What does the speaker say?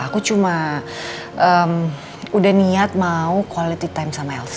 aku cuma udah niat mau quality time sama lps